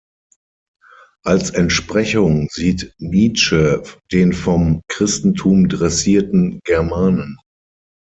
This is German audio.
Als Entsprechung sieht Nietzsche den vom Christentum dressierten Germanen.